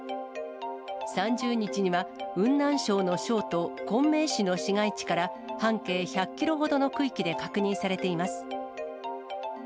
３０日には雲南省の省都昆明市の市街地から半径１００キロほどの区域で確認されています。